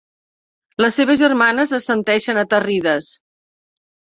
Les seves germanes assenteixen aterrides.